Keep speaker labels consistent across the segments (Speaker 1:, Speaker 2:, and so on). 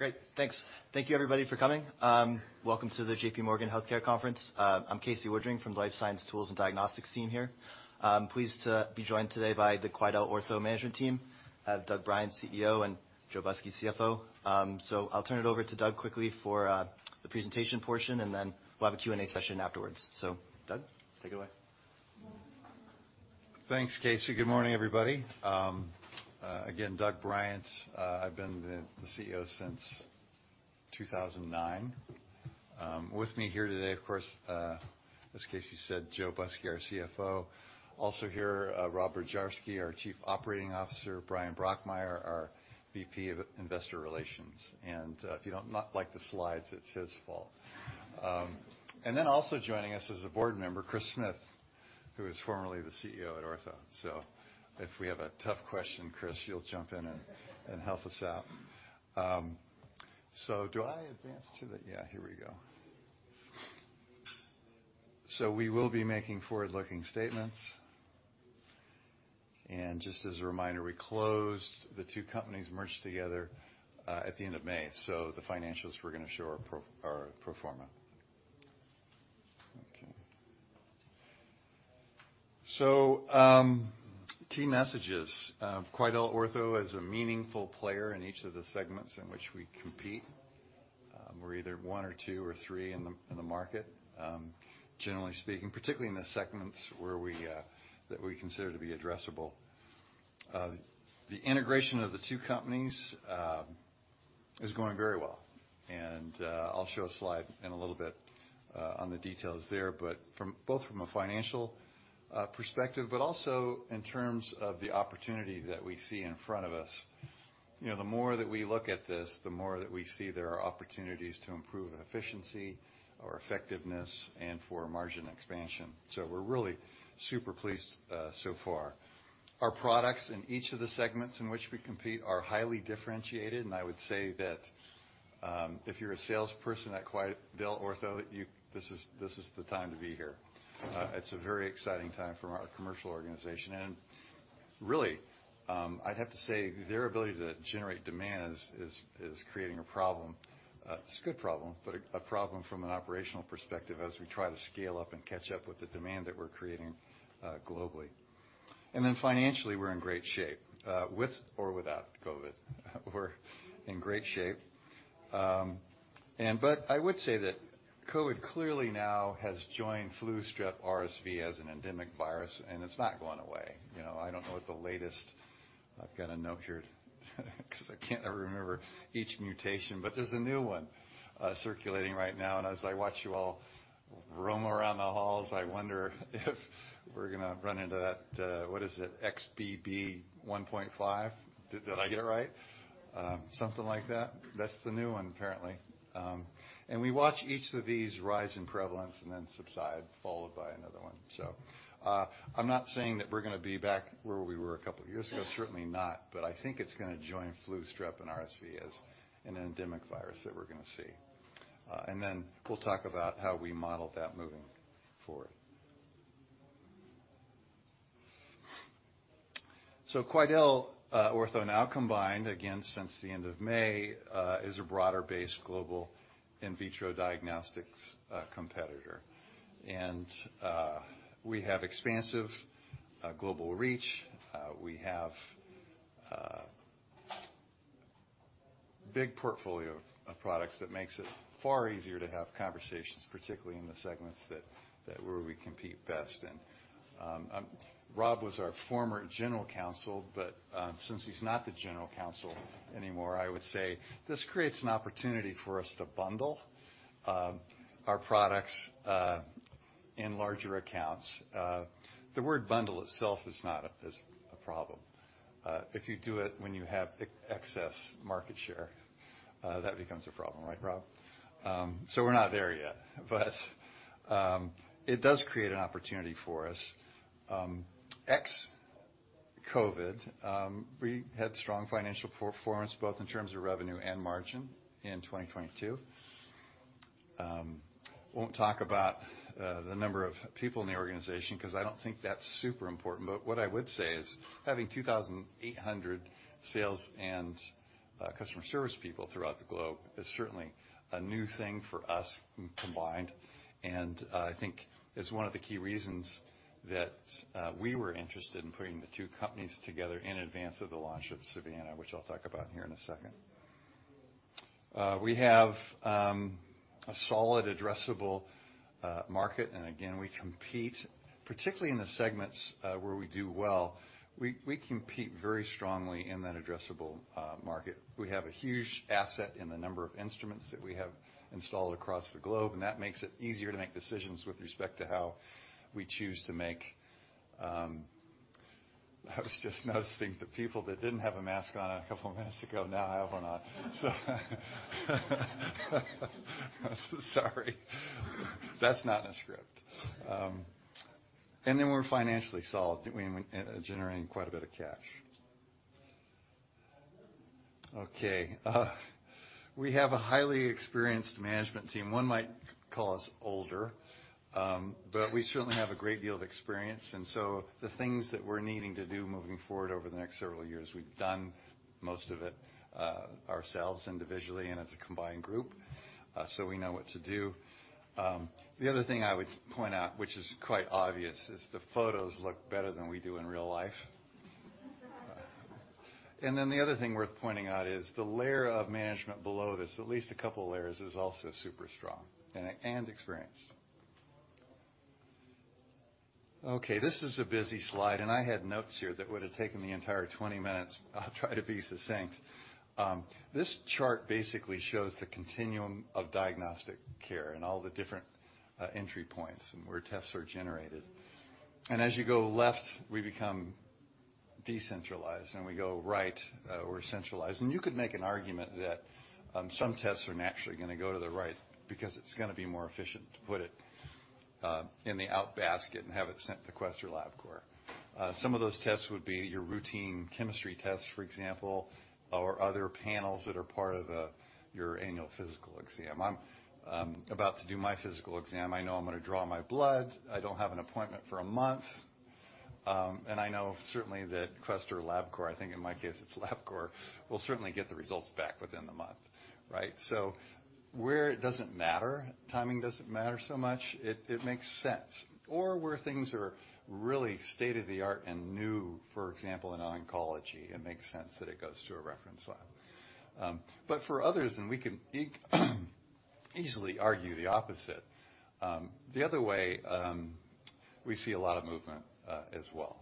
Speaker 1: Good. Great. Thanks. Thank you everybody for coming. Welcome to the JPMorgan Healthcare Conference. I'm Casey Woodring from the Life Science Tools and Diagnostics team here. I'm pleased to be joined today by the QuidelOrtho management team, Doug Bryant, CEO, and Joe Busky, CFO. I'll turn it over to Doug quickly for the presentation portion, and then we'll have a Q&A session afterwards. Doug, take it away.
Speaker 2: Thanks, Casey. Good morning, everybody. Again, Doug Bryant. I've been the CEO since 2009. With me here today, of course, as Casey said, Joe Busky, our CFO. Also here, Rob Bujarski our Chief Operating Officer, Brian Brockmeier, our VP of Investor Relations. If you don't not like the slides, it's his fault. Also joining us is a board member, Chris Smith, who was formerly the CEO at Ortho. If we have a tough question, Chris, you'll jump in and help us out. Do I advance to the? Yeah, here we go. We will be making forward-looking statements. Just as a reminder, we closed, the two companies merged together, at the end of May, so the financials we're gonna show are pro forma. Okay. Key messages. QuidelOrtho is a meaningful player in each of the segments in which we compete. We're either one or two or three in the market, generally speaking, particularly in the segments where we that we consider to be addressable. The integration of the two companies is going very well, and I'll show a slide in a little bit on the details there. Both from a financial perspective, but also in terms of the opportunity that we see in front of us. The more that we look at this, the more that we see there are opportunities to improve efficiency or effectiveness and for margin expansion. We're really super pleased so far. Our products in each of the segments in which we compete are highly differentiated. I would say that, if you're a salesperson at QuidelOrtho, this is the time to be here. It's a very exciting time from our commercial organization. Really, I'd have to say, their ability to generate demand is creating a problem. It's a good problem, but a problem from an operational perspective as we try to scale up and catch up with the demand that we're creating globally. Financially, we're in great shape. With or without COVID, we're in great shape. But I would say that COVID clearly now has joined flu, strep, RSV as an endemic virus. It's not going away. I don't know what the latest. I've got a note here 'cause I can't ever remember each mutation, but there's a new one circulating right now, and as I watch you all roam around the halls, I wonder if we're gonna run into that, what is it, XBB.1.5. Did I get it right? Something like that. That's the new one, apparently. We watch each of these rise in prevalence and then subside, followed by another one. I'm not saying that we're gonna be back where we were a couple years ago, certainly not, but I think it's gonna join flu, strep, and RSV as an endemic virus that we're gonna see. Then we'll talk about how we model that moving forward. QuidelOrtho now combined, again, since the end of May, is a broader-based global In vitro diagnostics competitor. We have expansive global reach. We have a big portfolio of products that makes it far easier to have conversations, particularly in the segments that where we compete best in. Rob was our former general counsel, since he's not the general counsel anymore, I would say this creates an opportunity for us to bundle our products in larger accounts. The word bundle itself is not a problem. If you do it when you have excess market share, that becomes a problem, right, Rob? We're not there yet, it does create an opportunity for us. Ex-COVID, we had strong financial performance both in terms of revenue and margin in 2022. Won't talk about the number of people in the organization because I don't think that's super important, but what I would say is having 2,800 sales and customer service people throughout the globe is certainly a new thing for us combined and I think is one of the key reasons that we were interested in putting the two companies together in advance of the launch of Savanna, which I'll talk about here in a second. We have a solid addressable market, again, we compete, particularly in the segments where we do well, we compete very strongly in that addressable market. We have a huge asset in the number of instruments that we have installed across the globe, that makes it easier to make decisions with respect to how we choose to make. I was just noticing the people that didn't have a mask on a couple of minutes ago now have one on. Sorry. That's not in the script. We're financially solid. We're generating quite a bit of cash. Okay. We have a highly experienced management team. One might call us older, we certainly have a great deal of experience. The things that we're needing to do moving forward over the next several years, we've done most of it ourselves individually and as a combined group. We know what to do. The other thing I would point out, which is quite obvious, is the photos look better than we do in real life. The other thing worth pointing out is the layer of management below this, at least a couple of layers, is also super strong and experienced. Okay, this is a busy slide, and I had notes here that would have taken the entire 20 minutes. I'll try to be succinct. This chart basically shows the continuum of diagnostic care and all the different entry points and where tests are generated. As you go left, we become decentralized and we go right, we're centralized. You could make an argument that some tests are naturally gonna go to the right because it's gonna be more efficient to put it in the out basket and have it sent to Quest or Labcorp. Some of those tests would be your routine chemistry test, for example, or other panels that are part of your annual physical exam. I'm about to do my physical exam. I know I'm gonna draw my blood. I don't have an appointment for a month. And I know certainly that Quest or Labcorp, I think in my case it's Labcorp, will certainly get the results back within the month, right? Where it doesn't matter, timing doesn't matter so much, it makes sense. Or where things are really state of the art and new, for example, in oncology, it makes sense that it goes to a reference lab. For others, and we can easily argue the opposite. The other way, we see a lot of movement as well.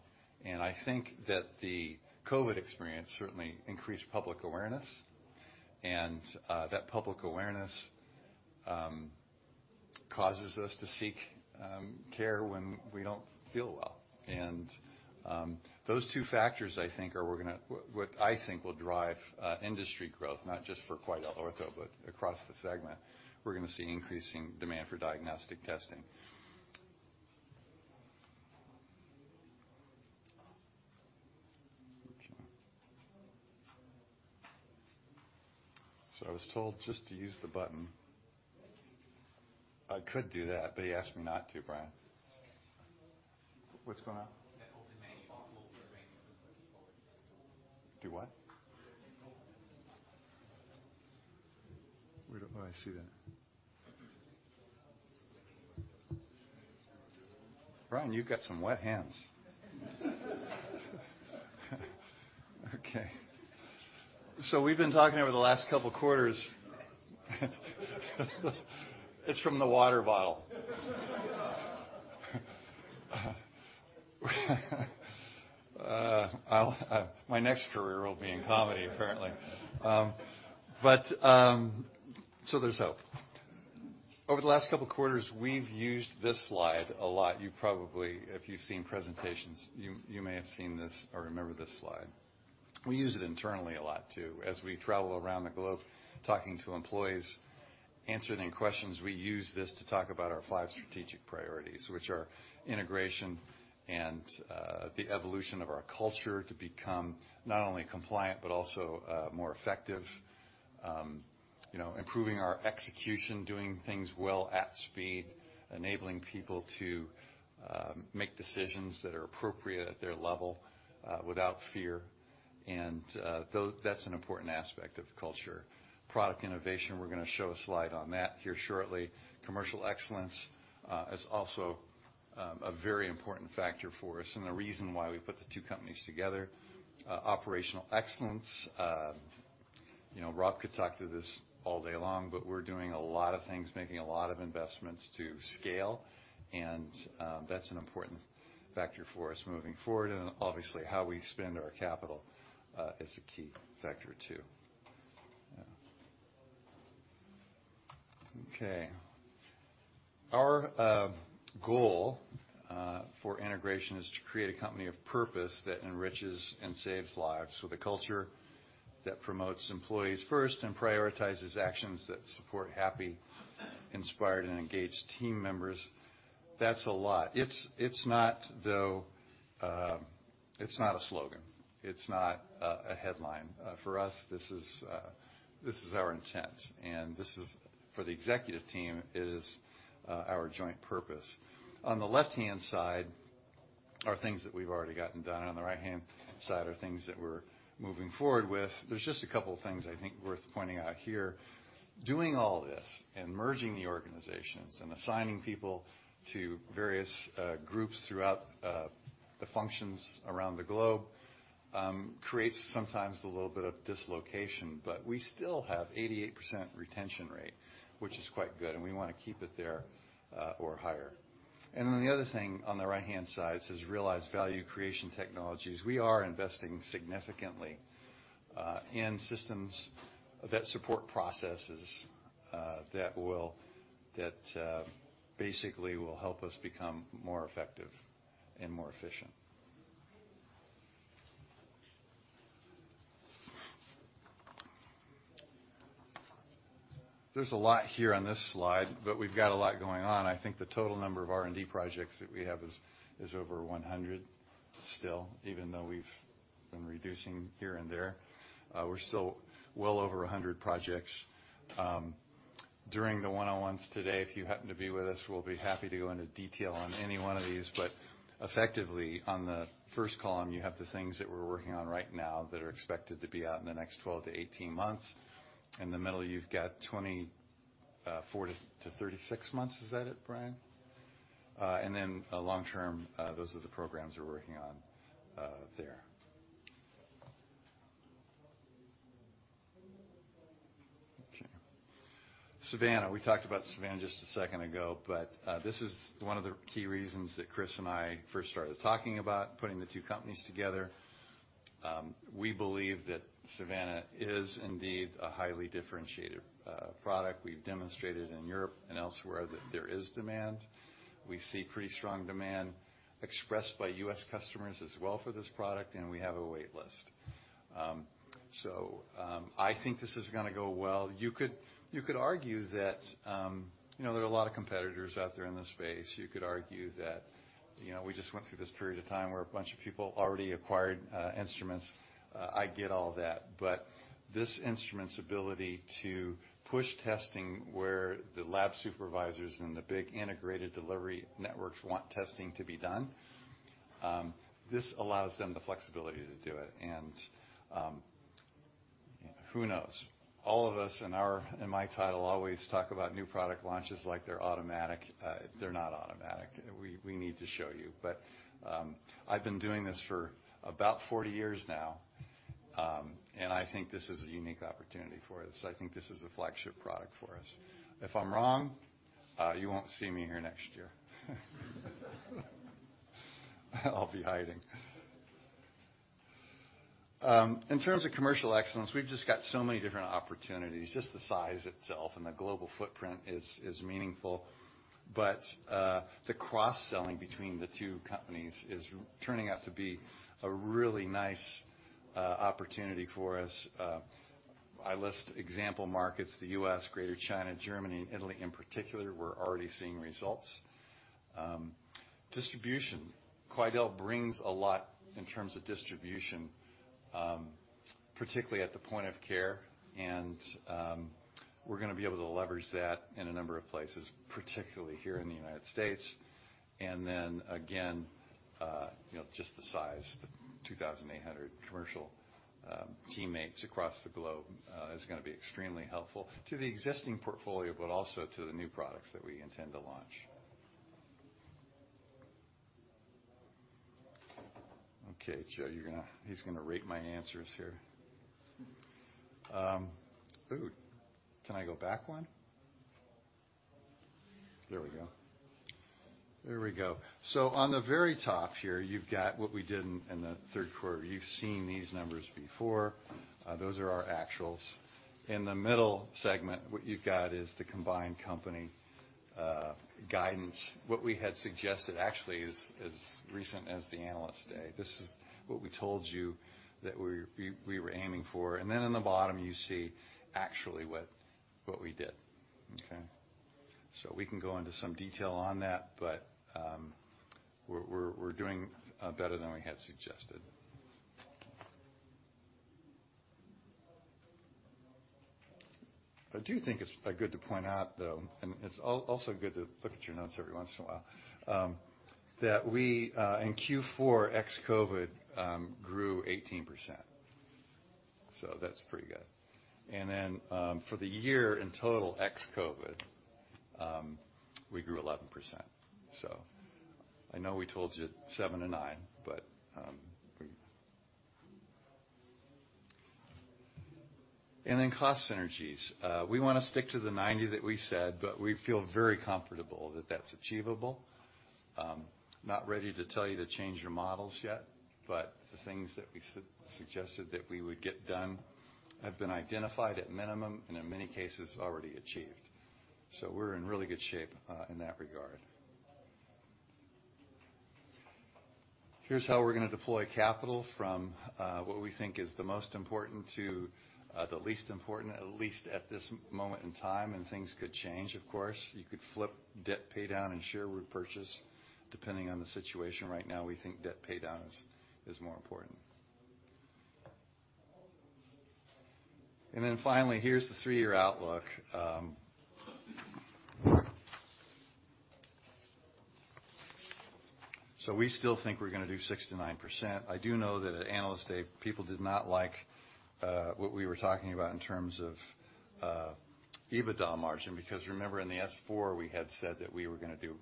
Speaker 2: I think that the COVID experience certainly increased public awareness, and that public awareness causes us to seek care when we don't feel well. Those two factors, I think, are what I think will drive industry growth, not just for QuidelOrtho, but across the segment. We're gonna see increasing demand for diagnostic testing. Okay. I was told just to use the button. I could do that, but he asked me not to, Bryan. What's going on? Do what? Oh, I see that. Bryan, you've got some wet hands. Okay. We've been talking over the last couple quarters. It's from the water bottle. I'll my next career will be in comedy, apparently. There's hope. Over the last couple of quarters, we've used this slide a lot. You probably, if you've seen presentations, you may have seen this or remember this slide. We use it internally a lot too. As we travel around the globe talking to employees, answering questions, we use this to talk about our five strategic priorities, which are integration and the evolution of our culture to become not only compliant, but also more effective. Improving our execution, doing things well at speed, enabling people to make decisions that are appropriate at their level without fear. That's an important aspect of culture. Product innovation, we're gonna show a slide on that here shortly. Commercial excellence is also a very important factor for us and the reason why we put the two companies together. Operational excellence, you know, Rob could talk to this all day long, but we're doing a lot of things, making a lot of investments to scale, and that's an important factor for us moving forward. Obviously how we spend our capital is a key factor too. Yeah. Okay. Our goal for integration is to create a company of purpose that enriches and saves lives with a culture that promotes employees first and prioritizes actions that support happy, inspired, and engaged team members. That's a lot. It's, it's not, though, it's not a slogan. It's not a headline. For us, this is our intent, and this is, for the executive team, it is our joint purpose. On the left-hand side are things that we've already gotten done. On the right-hand side are things that we're moving forward with. There's just a couple of things I think worth pointing out here. Doing all this and merging the organizations and assigning people to various groups throughout the functions around the globe creates sometimes a little bit of dislocation. We still have 88% retention rate, which is quite good, and we wanna keep it there or higher. Then the other thing on the right-hand side says realize value creation technologies. We are investing significantly in systems that support processes that basically will help us become more effective and more efficient. There's a lot here on this slide, but we've got a lot going on. I think the total number of R&D projects that we have is over 100 still, even though we've been reducing here and there. We're still well over 100 projects. During the one-on-ones today, if you happen to be with us, we'll be happy to go into detail on any one of these. Effectively, on the first column, you have the things that we're working on right now that are expected to be out in the next 12 to 18 months. In the middle, you've got 24 to 36 months. Is that it, Bryan? Then long term, those are the programs we're working on there. Okay. Savanna. We talked about Savanna just a second ago, but this is one of the key reasons that Chris and I first started talking about putting the two companies together. We believe that Savanna is indeed a highly differentiated product. We've demonstrated in Europe and elsewhere that there is demand. We see pretty strong demand expressed by U.S., customers as well for this product, and we have a wait list. I think this is gonna go well. You could, you could argue that there are a lot of competitors out there in this space. You could argue that we just went through this period of time where a bunch of people already acquired instruments. I get all that, but this instrument's ability to push testing where the lab supervisors and the big integrated delivery networks want testing to be done, this allows them the flexibility to do it. Who knows? All of us in my title, always talk about new product launches like they're automatic. They're not automatic. We need to show you. I've been doing this for about 40 years now, and I think this is a unique opportunity for us. I think this is a flagship product for us. If I'm wrong, you won't see me here next year. I'll be hiding. In terms of commercial excellence, we've just got so many different opportunities, just the size itself and the global footprint is meaningful. The cross-selling between the two companies is turning out to be a really nice opportunity for us. I list example markets, the U.S., Greater China, Germany and Italy in particular, we're already seeing results distribution. Quidel brings a lot in terms of distribution, particularly at the point of care, and we're gonna be able to leverage that in a number of places, particularly here in the United States. Then again, just the size, the 2,800 commercial teammates across the globe, is gonna be extremely helpful to the existing portfolio, but also to the new products that we intend to launch. Okay, Joe, he's gonna rate my answers here. Oh, can I go back one? There we go. There we go. On the very top here, you've got what we did in the third quarter. You've seen these numbers before. Those are our actuals. In the middle segment, what you've got is the combined company guidance. What we had suggested actually is as recent as the Analyst Day. This is what we told you that we were aiming for. Then in the bottom, you see actually what we did. Okay? We can go into some detail on that, but we're doing better than we had suggested. I do think it's good to point out, though, and it's also good to look at your notes every once in a while, that we in Q4, ex-COVID, grew 18%. That's pretty good. Then for the year in total, ex-COVID, we grew 11%. I know we told you 7% and 9%, but. Then cost synergies. We wanna stick to the 90% that we said, but we feel very comfortable that that's achievable. Not ready to tell you to change your models yet, but the things that we suggested that we would get done have been identified at minimum and in many cases already achieved. We're in really good shape in that regard. Here's how we're gonna deploy capital from what we think is the most important to the least important, at least at this moment in time, and things could change, of course. You could flip debt paydown and share repurchase depending on the situation. Right now, we think debt paydown is more important. Finally, here's the three-year outlook. We still think we're gonna do 6%-9%. I do know that at Analyst Day, people did not like what we were talking about in terms of EBITDA margin, because remember, in the S4, we had said that we were gonna do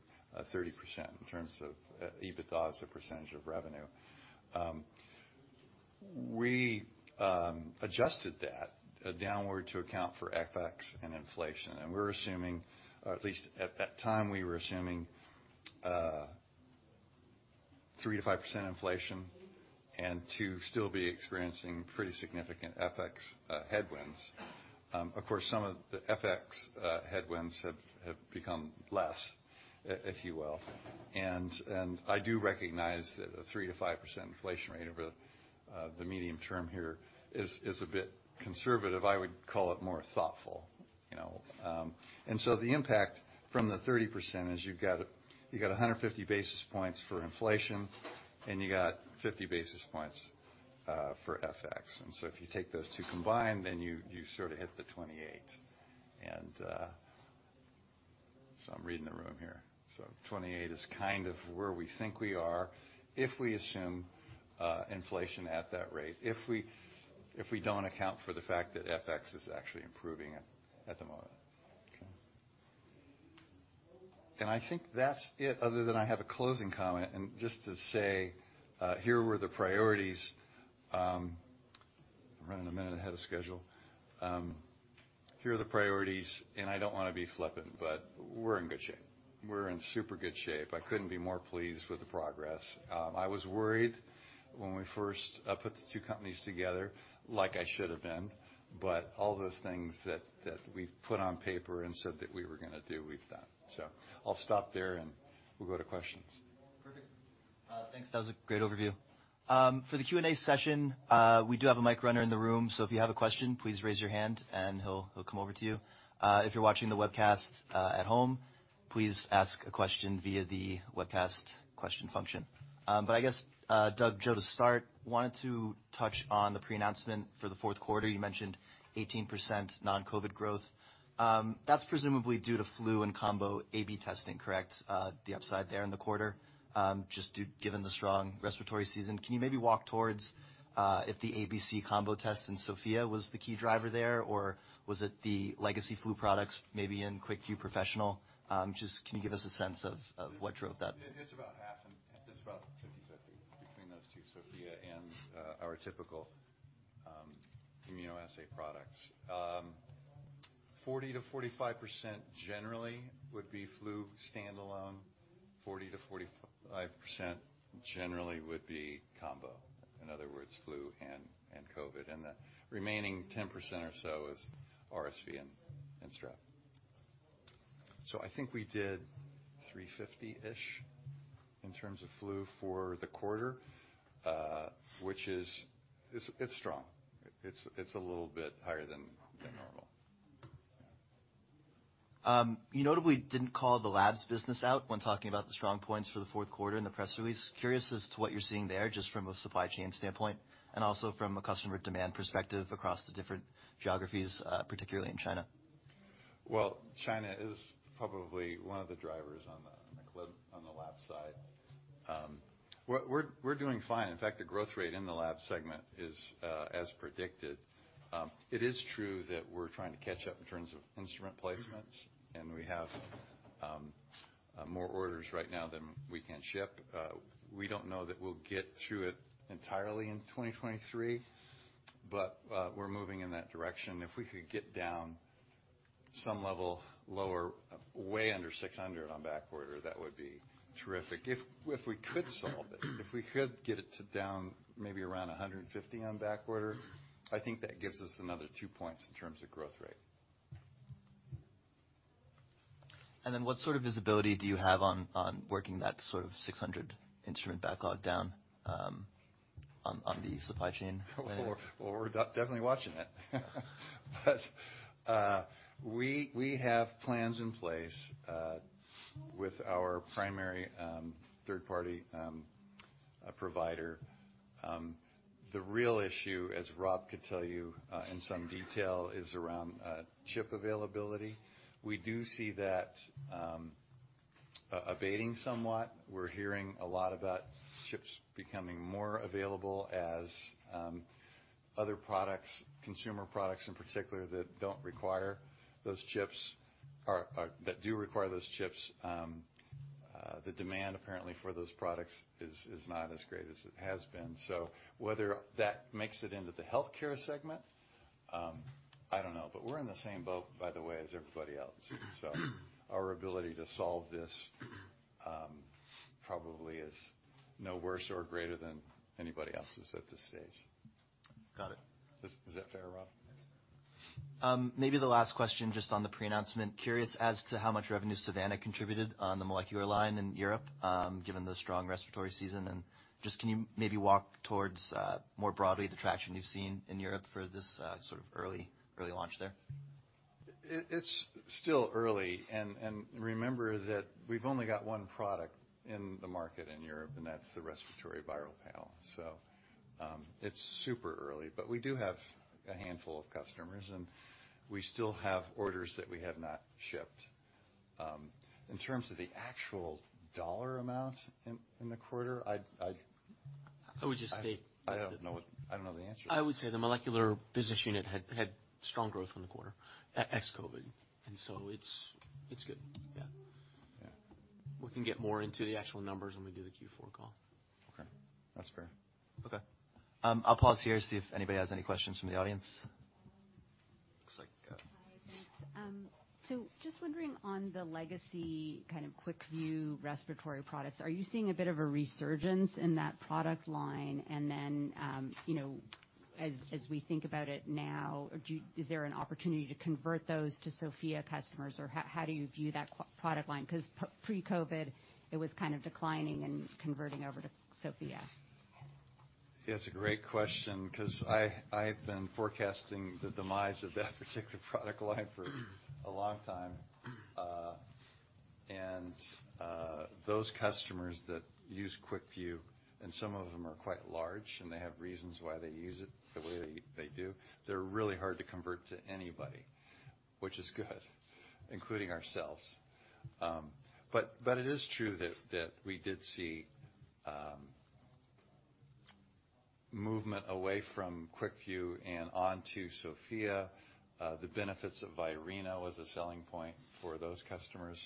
Speaker 2: 30% in terms of EBITDA as a percentage of revenue. We adjusted that downward to account for FX and inflation. We're assuming, or at least at that time, we were assuming 3%-5% inflation and to still be experiencing pretty significant FX headwinds. Of course, some of the FX headwinds have become less, if you will. I do recognize that a 3%-5% inflation rate over the medium term here is a bit conservative. I would call it more thoughtful, you know. The impact from the 30% is you've got 150 basis points for inflation, and you got 50 basis points for FX. If you take those two combined, then you sort of hit the 28%. I'm reading the room here. 28% is kind of where we think we are if we assume inflation at that rate, if we don't account for the fact that FX is actually improving at the moment. Okay. I think that's it, other than I have a closing comment. Just to say, here were the priorities. Running 1 minute ahead of schedule. Here are the priorities, I don't wanna be flippant, but we're in good shape. We're in super good shape. I couldn't be more pleased with the progress. I was worried when we first put the two companies together, like I should have been, all those things that we've put on paper and said that we were gonna do, we've done. I'll stop there, and we'll go to questions.
Speaker 1: Perfect. Thanks, Doug. Great overview. For the Q&A session, we do have a mic runner in the room, so if you have a question, please raise your hand and he'll come over to you. If you're watching the webcast at home, please ask a question via the webcast question function. I guess, Doug, Joe, to start, wanted to touch on the pre-announcement for the fourth quarter. You mentioned 18% non-COVID growth. That's presumably due to flu and combo AB testing, correct? The upside there in the quarter, just given the strong respiratory season. Can you maybe walk towards if the ABC combo test in Sofia was the key driver there, or was it the legacy flu products, maybe in QuickVue Professional? Just can you give us a sense of what drove that?
Speaker 2: It's about half and it's about 50/50 between those two, Sofia and our typical immunoassay products. 40%-45% generally would be flu standalone. 40%-45% generally would be combo. In other words, flu and COVID. The remaining 10% or so is RSV and strep. I think we did $350 in terms of flu for the quarter, which is strong. It's a little bit higher than normal.
Speaker 1: You notably didn't call the labs business out when talking about the strong points for the fourth quarter in the press release. Curious as to what you're seeing there, just from a supply chain standpoint, and also from a customer demand perspective across the different geographies, particularly in China?
Speaker 2: China is probably one of the drivers on the, on the club, on the lab side. We're doing fine. The growth rate in the lab segment is as predicted. It is true that we're trying to catch up in terms of instrument placements, and we have more orders right now than we can ship. We don't know that we'll get through it entirely in 2023, but we're moving in that direction. If we could get down some level lower, way under 600 on back order, that would be terrific. If we could solve it, if we could get it to down maybe around 150 on back order, I think that gives us another two points in terms of growth rate.
Speaker 1: What sort of visibility do you have on working that sort of 600 instrument backlog down, on the supply chain plan?
Speaker 2: Well, we're definitely watching it. We have plans in place with our primary third-party provider. The real issue, as Rob could tell you in some detail, is around chip availability. We do see that abating somewhat. We're hearing a lot about chips becoming more available as other products, consumer products in particular, that do require those chips, the demand apparently for those products is not as great as it has been. Whether that makes it into the healthcare segment, I don't know. We're in the same boat, by the way, as everybody else. Our ability to solve this probably is no worse or greater than anybody else's at this stage.
Speaker 1: Got it.
Speaker 2: Is that fair, Rob?
Speaker 3: Yes.
Speaker 1: Maybe the last question just on the pre-announcement. Curious as to how much revenue Savanna contributed on the molecular line in Europe, given the strong respiratory season? Just can you maybe walk towards more broadly the traction you've seen in Europe for this sort of early launch there?
Speaker 2: It's still early, and remember that we've only got one product in the market in Europe, and that's the respiratory viral panel. It's super early. We do have a handful of customers, and we still have orders that we have not shipped. In terms of the actual dollar amount in the quarter, I'd.
Speaker 3: I would just say.
Speaker 2: I don't know the answer.
Speaker 3: I would say the molecular business unit had strong growth from the quarter, ex-COVID. So it's good. Yeah.
Speaker 2: Yeah.
Speaker 3: We can get more into the actual numbers when we do the Q4 call.
Speaker 2: Okay. That's fair.
Speaker 1: Okay. I'll pause here, see if anybody has any questions from the audience. Looks like.
Speaker 4: Hi, thanks. Just wondering on the legacy kind of QuickVue respiratory products, are you seeing a bit of a resurgence in that product line? As we think about it now, is there an opportunity to convert those to Sofia customers or how do you view that product line? Because pre-COVID, it was kind of declining and converting over to Sofia.
Speaker 2: Yes, a great question because I've been forecasting the demise of that particular product line for a long time. Those customers that use QuickVue, and some of them are quite large, and they have reasons why they use it the way they do. They're really hard to convert to anybody, which is good, including ourselves. It is true that we did see movement away from QuickVue and onto Sofia, the benefits of Virena as a selling point for those customers.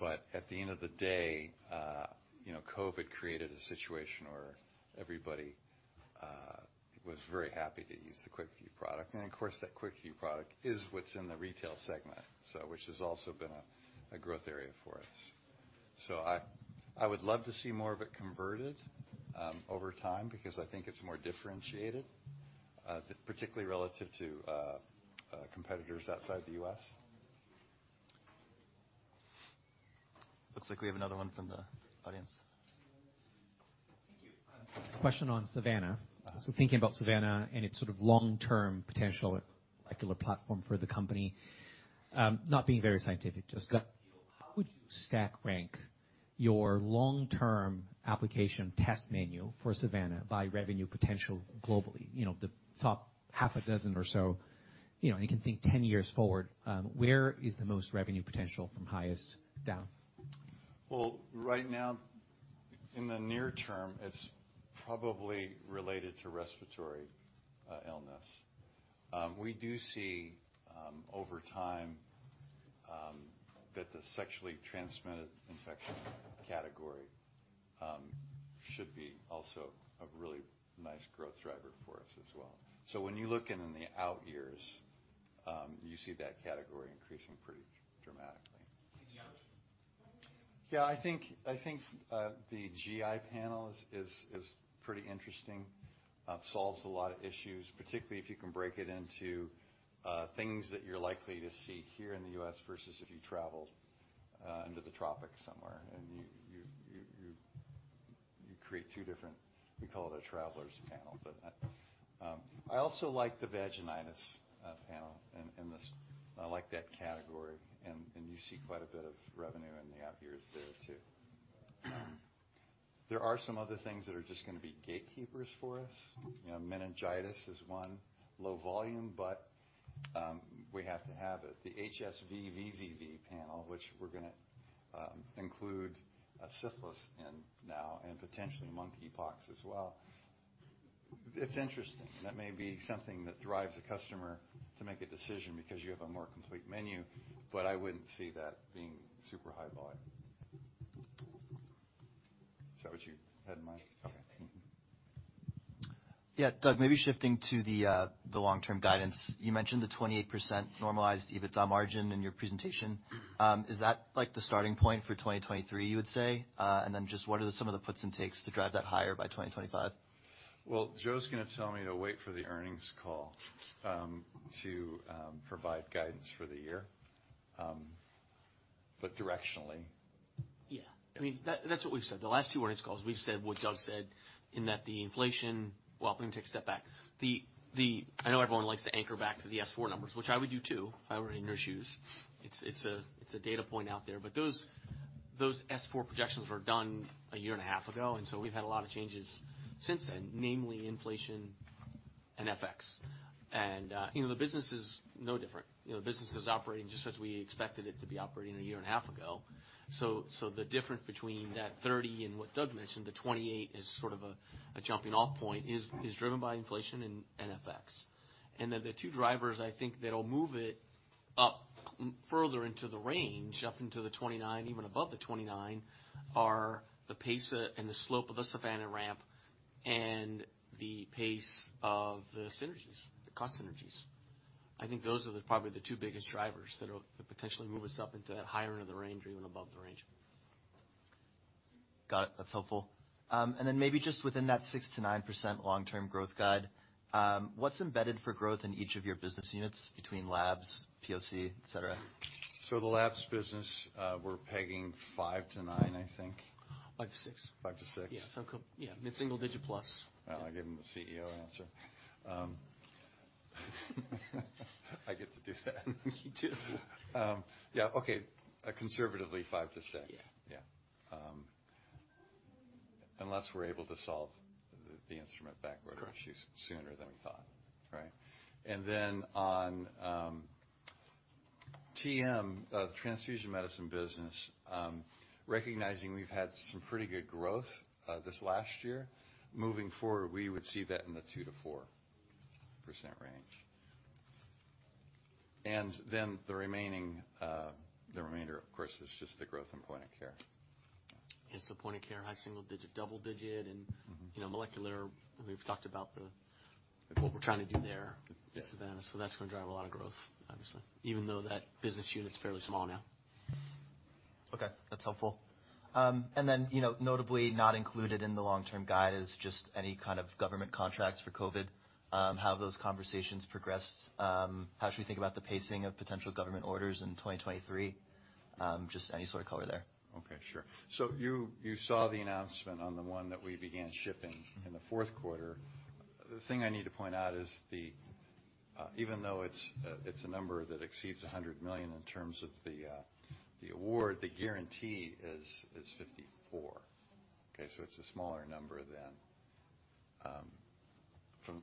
Speaker 2: At the end of the day, you know, COVID created a situation where everybody was very happy to use the QuickVue product. Of course, that QuickVue product is what's in the retail segment, which has also been a growth area for us. I would love to see more of it converted over time because I think it's more differentiated, particularly relative to competitors outside the U.S.
Speaker 1: Looks like we have another one from the audience.
Speaker 5: Question on Savanna. Thinking about Savanna and its sort of long-term potential molecular platform for the company, not being very scientific, just gut feel, how would you stack rank your long-term application test menu for Savanna by revenue potential globally? You know, the top half a dozen or so. You know, you can think 10 years forward, where is the most revenue potential from highest down?
Speaker 2: Well, right now, in the near term, it's probably related to respiratory illness. We do see, over time, that the sexually transmitted infection category should be also a really nice growth driver for us as well. When you look in the out years, you see that category increasing pretty dramatically.
Speaker 5: Any others?
Speaker 2: Yeah. I think, the GI panel is pretty interesting. Solves a lot of issues, particularly if you can break it into things that you're likely to see here in the U.S., versus if you travel into the tropics somewhere and you create two different. We call it a traveler's panel. I also like the vaginitis panel in this. I like that category. You see quite a bit of revenue in the out years there too. There are some other things that are just gonna be gatekeepers for us. You know, meningitis is one. Low volume, but we have to have it. The HSV VZV panel, which we're gonna include syphilis in now and potentially monkeypox as well. It's interesting. That may be something that drives a customer to make a decision because you have a more complete menu, but I wouldn't see that being super high volume. Is that what you had in mind? Okay.
Speaker 1: Yeah. Doug, maybe shifting to the long-term guidance. You mentioned the 28% normalized EBITDA margin in your presentation. Is that like the starting point for 2023, you would say? Then just what are some of the puts and takes to drive that higher by 2025?
Speaker 2: Well, Joe's gonna tell me to wait for the earnings call, to provide guidance for the year. Directionally.
Speaker 6: Yeah. I mean, that's what we've said. The last two earnings calls, we've said what Doug said in that the inflation. Well, let me take a step back. I know everyone likes to anchor back to the S-4 numbers, which I would do too, if I were in your shoes. It's, it's a, it's a data point out there. Those S-4 projections were done a year and a half ago. We've had a lot of changes since then, namely inflation and FX. You know, the business is no different. You know, the business is operating just as we expected it to be operating a year and a half ago. The difference between that 30% and what Doug mentioned, the 28%, is sort of a jumping off point, is driven by inflation and FX. The two drivers, I think, that'll move it up further into the range, up into the 29%, even above the 29%, are the pace and the slope of the Savanna ramp and the pace of the synergies, the cost synergies. Those are the probably the two biggest drivers that'll potentially move us up into the higher end of the range or even above the range.
Speaker 1: Got it. That's helpful. Maybe just within that 6%-9% long-term growth guide, what's embedded for growth in each of your business units between labs, POC, et cetera?
Speaker 2: The labs business, we're pegging 5%-9%, I think.
Speaker 6: 5%-6%.
Speaker 2: 5%-6%.
Speaker 6: Yeah. yeah, mid-single digit plus.
Speaker 2: Well, I gave him the CEO answer. I get to do that.
Speaker 6: You do.
Speaker 2: Yeah. Okay. A conservatively 5%-6%.
Speaker 6: Yeah.
Speaker 2: Yeah. Unless we're able to solve the instrument backward issues sooner than we thought, right? On TM, the transfusion medicine business, recognizing we've had some pretty good growth this last year, moving forward, we would see that in the 2%-4% range. The remainder, of course, is just the growth in point of care.
Speaker 6: It's the point of care, high-single digit, double digit. You know, molecular, we've talked about the, what we're trying to do there with Savanna.
Speaker 2: Yeah.
Speaker 6: That's going to drive a lot of growth, obviously, even though that business unit's fairly small now.
Speaker 1: Okay, that's helpful. Then, you know, notably not included in the long-term guide is just any kind of government contracts for COVID, how have those conversations progressed? How should we think about the pacing of potential government orders in 2023? Just any sort of color there.
Speaker 2: Okay, sure. You saw the announcement on the one that we began. In the Q4. The thing I need to point out is, even though it's a number that exceeds $100 million in terms of the award, the guarantee is $54 million. Okay? It's a smaller number then,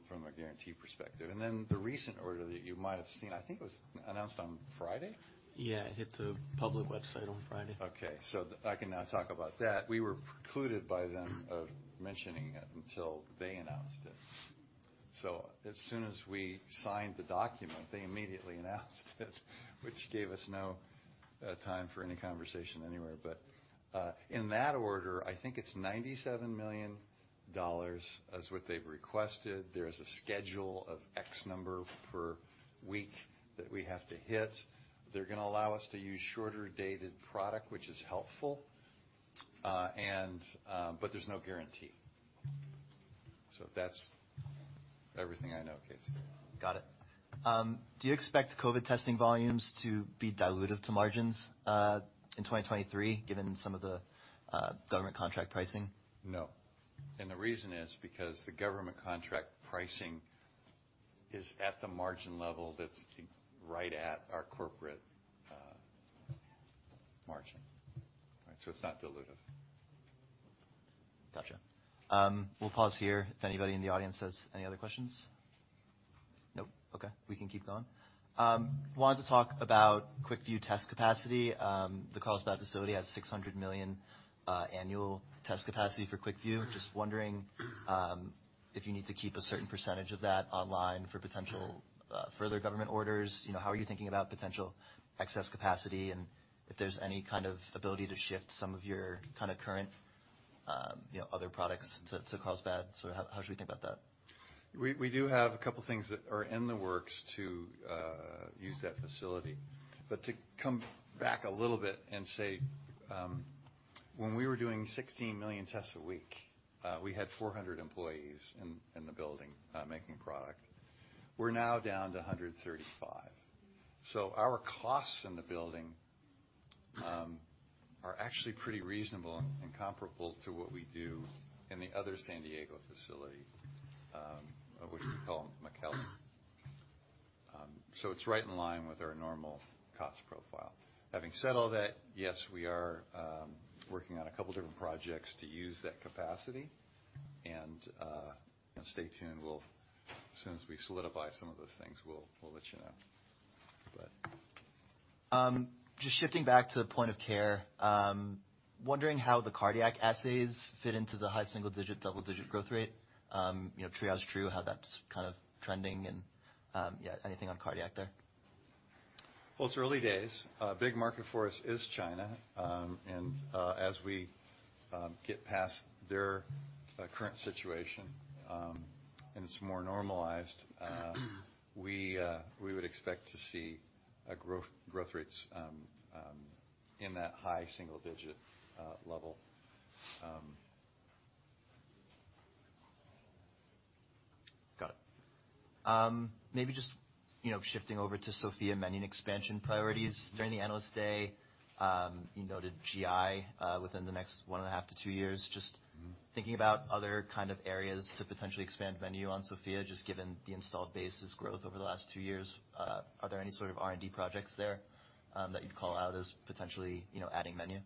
Speaker 2: from a guarantee perspective. The recent order that you might have seen, I think it was announced on Friday?
Speaker 6: Yeah, it hit the public website on Friday.
Speaker 2: I can now talk about that. We were precluded by them of mentioning it until they announced it. As soon as we signed the document, they immediately announced it, which gave us no time for any conversation anywhere. In that order, I think it's $97 million is what they've requested. There is a schedule of X number per week that we have to hit. They're gonna allow us to use shorter-dated product, which is helpful, and, but there's no guarantee. That's everything I know, Casey.
Speaker 1: Got it. Do you expect COVID testing volumes to be dilutive to margins in 2023, given some of the government contract pricing?
Speaker 2: No. The reason is because the government contract pricing is at the margin level that's right at our corporate margin. All right? It's not dilutive.
Speaker 1: Gotcha. We'll pause here. If anybody in the audience has any other questions? Nope. Okay, we can keep going. wanted to talk about QuickVue test capacity. The Carlsbad facility has 600 million annual test capacity for QuickVue. Just wondering, if you need to keep a certain percentage of that online for potential further government orders. You know, how are you thinking about potential excess capacity, and if there's any kind of ability to shift some of your kinda current, you know, other products to Carlsbad? How should we think about that?
Speaker 2: We do have a couple things that are in the works to use that facility. To come back a little bit and say, when we were doing 16 million tests a week, we had 400 employees in the building making product. We're now down to 135. Our costs in the building are actually pretty reasonable and comparable to what we do in the other San Diego facility, which we call McAllen. It's right in line with our normal cost profile. Having said all that, yes, we are working on a couple different projects to use that capacity, and, you know, stay tuned. As soon as we solidify some of those things, we'll let you know.
Speaker 1: Just shifting back to point-of-care, wondering how the cardiac assays fit into the high single-digit, double-digit growth rate, you know, TriageTrue, how that's kind of trending, and, yeah, anything on cardiac there?
Speaker 2: It's early days. A big market for us is China. As we get past their current situation, and it's more normalized, we would expect to see growth rates in that high single-digit level.
Speaker 1: Got it. Maybe just, you know, shifting over to Sofia menu and expansion priorities during the Analyst Day. You noted GI within the next one and a half to two years. Thinking about other kind of areas to potentially expand menu on Sofia, just given the installed base's growth over the last two years, are there any sort of R&D projects there, that you'd call out as potentially, you know, adding menu?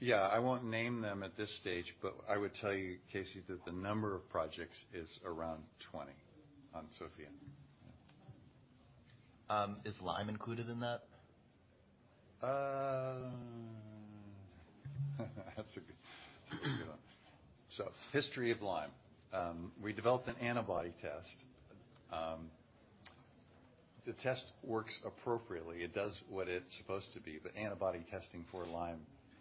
Speaker 2: Yeah. I won't name them at this stage, but I would tell you, Casey, that the number of projects is around 20 on Sofia.
Speaker 1: Is Lyme included in that?
Speaker 2: That's a good one. History of Lyme. We developed an antibody test. The test works appropriately. It does what it's supposed to be, but antibody testing for Lyme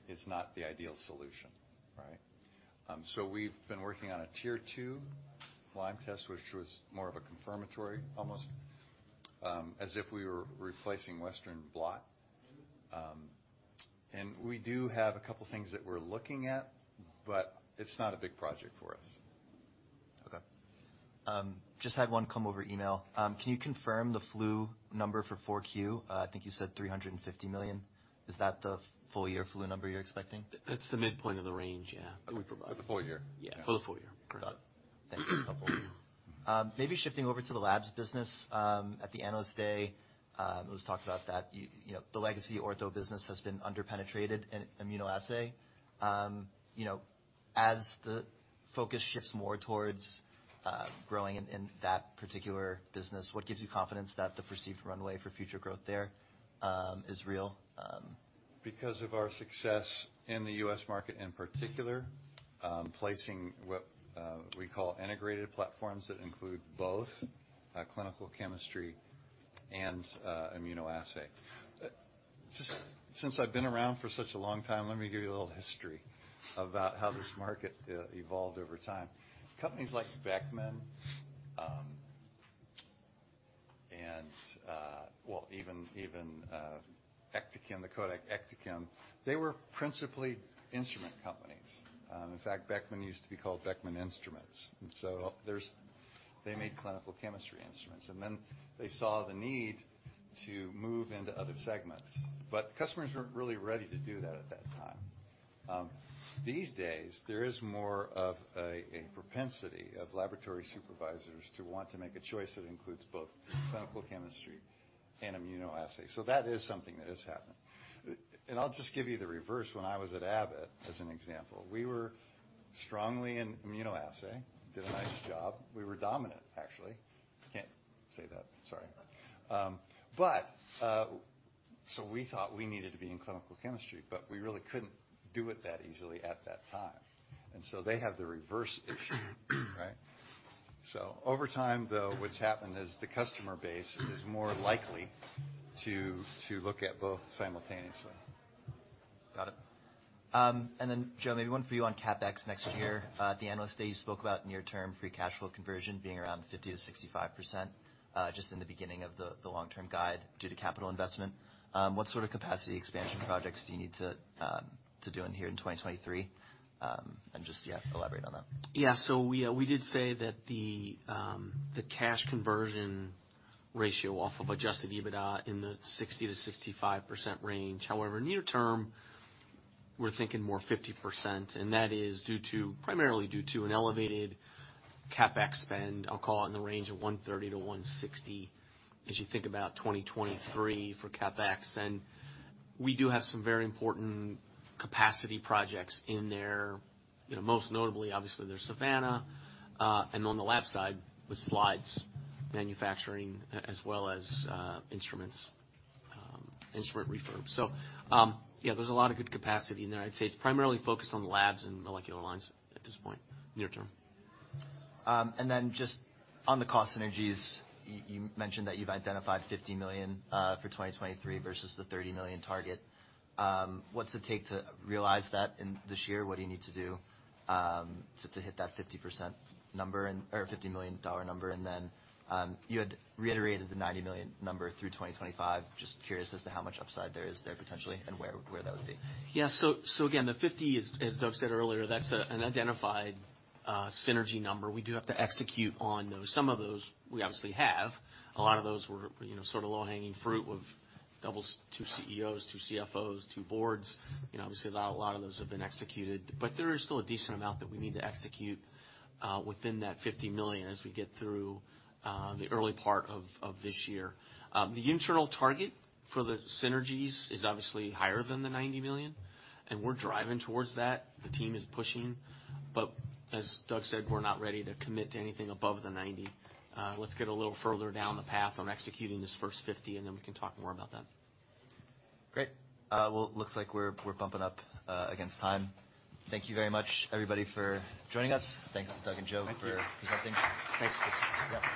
Speaker 2: is not the ideal solution, right? We've been working on a tier two Lyme test, which was more of a confirmatory almost, as if we were replacing western blot. We do have a couple things that we're looking at, but it's not a big project for us.
Speaker 1: Okay. Just had one come over email. Can you confirm the flu number for 4Q? I think you said $350 million. Is that the full year flu number you're expecting?
Speaker 6: That's the midpoint of the range, yeah, that we provided.
Speaker 2: For the full year.
Speaker 6: Yeah. For the full year.
Speaker 1: Got it. Thank you. That's helpful. Maybe shifting over to the labs business. At the Analyst Day, it was talked about that you know, the legacy Ortho business has been under-penetrated in immunoassay. You know, as the focus shifts more towards growing in that particular business, what gives you confidence that the perceived runway for future growth there, is real?
Speaker 2: Because of our success in the U.S., market in particular, placing what we call integrated platforms that include both clinical chemistry and immunoassay. Just since I've been around for such a long time, let me give you a little history about how this market evolved over time. Companies like Beckman, well, even Ektachem, the Kodak Ektachem, they were principally instrument companies. In fact, Beckman used to be called Beckman Instruments. They made clinical chemistry instruments, and then they saw the need to move into other segments. Customers weren't really ready to do that at that time. These days, there is more of a propensity of laboratory supervisors to want to make a choice that includes both clinical chemistry and immunoassay. That is something that has happened. I'll just give you the reverse. When I was at Abbott, as an example, we were strongly in immunoassay, did a nice job. We were dominant, actually. Can't say that. Sorry. We thought we needed to be in clinical chemistry, but we really couldn't do it that easily at that time. They had the reverse issue, right? Over time, though, what's happened is the customer base is more likely to look at both simultaneously.
Speaker 1: Got it. Joe, maybe one for you on CapEx next year. At the analyst day, you spoke about near-term free cash flow conversion being around 50%-65%, just in the beginning of the long-term guide due to capital investment. What sort of capacity expansion projects do you need to do in here in 2023? Just, yeah, elaborate on that.
Speaker 6: We did say that the cash conversion ratio off of adjusted EBITDA in the 60%-65% range. However, near term, we're thinking more 50%, and that is primarily due to an elevated CapEx spend. I'll call it in the range of $130 million-$160 million as you think about 2023 for CapEx. We do have some very important capacity projects in there. You know, most notably, obviously, there's Savanna. And on the lab side with slides manufacturing as well as instruments, instrument refurbs. There's a lot of good capacity in there. I'd say it's primarily focused on labs and molecular lines at this point, near term.
Speaker 1: Just on the cost synergies, you mentioned that you've identified $50 million for 2023 versus the $30 million target. What's it take to realize that in this year? What do you need to do to hit that 50% number or $50 million number? You had reiterated the $90 million number through 2025. Just curious as to how much upside there is there potentially, and where that would be.
Speaker 6: Again, the $50 million is, as Doug said earlier, that's an identified synergy number. We do have to execute on those. Some of those we obviously have. A lot of those were, you know, sort of low-hanging fruit with two CEOs, two CFOs, two boards. You know, obviously a lot of those have been executed. There is still a decent amount that we need to execute within that $50 million as we get through the early part of this year. The internal target for the synergies is obviously higher than the $90 million. We're driving towards that. The team is pushing. As Doug said, we're not ready to commit to anything above the $90 million. Let's get a little further down the path on executing this first $50 million. We can talk more about that.
Speaker 1: Great. Well, looks like we're bumping up against time. Thank you very much, everybody, for joining us. Thanks, Doug and Joe.
Speaker 6: Thank you.
Speaker 1: For presenting.
Speaker 2: Thanks, Chris.
Speaker 1: Yeah.